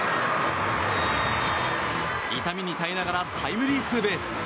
痛みに耐えながらタイムリーツーベース。